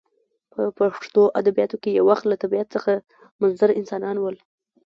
په پښتو ادبیاتو کښي یو وخت له طبیعت څخه منظر انسانان ول.